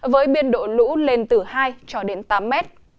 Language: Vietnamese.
với biên độ lũ lên từ hai cho đến tám mét